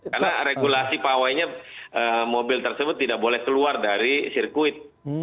karena regulasi pawainya mobil tersebut tidak boleh keluar dari sirkuit